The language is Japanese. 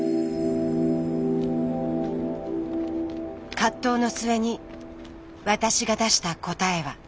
葛藤の末に私が出した答えは。